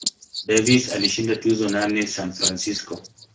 Davis alishinda tuzo nane San Francisco.